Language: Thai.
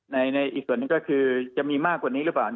ในอีกส่วนหนึ่งก็คือจะมีมากกว่านี้หรือเปล่า